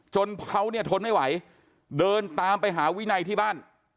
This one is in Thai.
จนเขาเนี่ยทนไม่ไหวเดินตามไปหาวินัยที่บ้าน